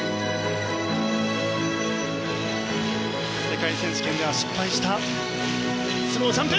世界選手権では失敗したスロージャンプ！